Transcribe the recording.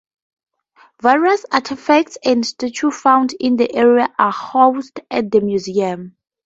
Various artefacts and statues found in the area are housed at the museum.